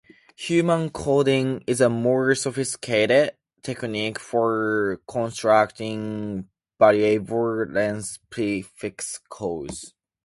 Huffman coding is a more sophisticated technique for constructing variable-length prefix codes.